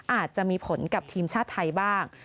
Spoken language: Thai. อาจจะมีผลกับทีมชาติไทยบ้าง